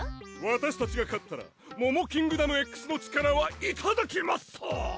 私たちが勝ったらモモキングダムＸの力はいただきマッソー！